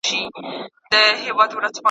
د هرات لرغونی ښار